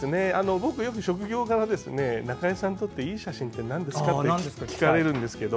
僕、よく職業柄中井さんにとっていい写真ってなんですかって聞かれるんですけど